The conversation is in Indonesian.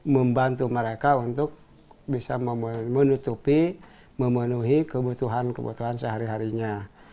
membantu mereka untuk bisa menutupi memenuhi kebutuhan kebutuhan sehari harinya